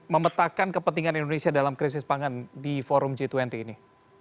memetakan kepentingan indonesia dalam krisis pangan di forum g dua puluh ini